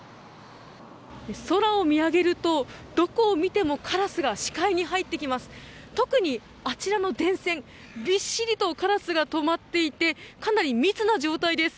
空を見上げるとどこを見てもカラスが視界に入ってきます。